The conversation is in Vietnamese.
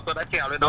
tôi đã trèo lên đó